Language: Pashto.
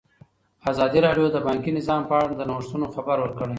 ازادي راډیو د بانکي نظام په اړه د نوښتونو خبر ورکړی.